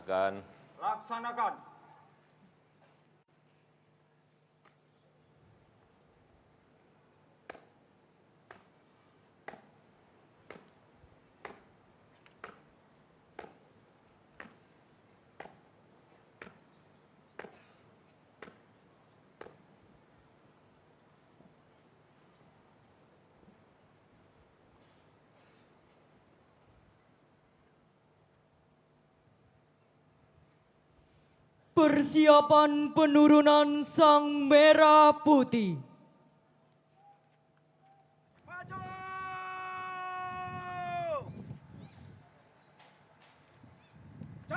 laporan komandan upacara kepada inspektur upacara